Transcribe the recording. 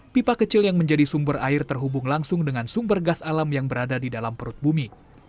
pipa kecil yang menjadi sumber air terhubung langsung dengan sumber gas alam yang berada di dalam perut bumi